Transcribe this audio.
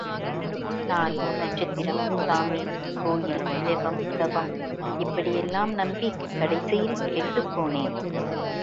நாள், நட்சத்திரம், சாமி, கோயில், ஜெபம், தபம் இப்படி யெல்லாம் நம்பிக் கடைசியில் கெட்டுப்போனேன்.